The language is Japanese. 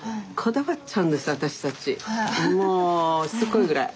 もうしつこいぐらい。